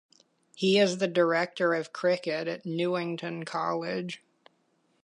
He is the Director of Cricket at Newington College.